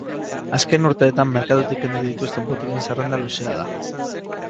Azken urteetan merkatutik kendu dituzten botiken zerrenda luzea da.